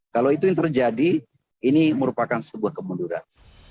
kalau itu yang terjadi ini merupakan sebuah kemunduran